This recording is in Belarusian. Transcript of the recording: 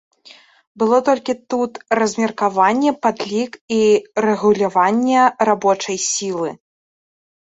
Было толькі тут размеркаванне, падлік і рэгуляванне рабочай сілы.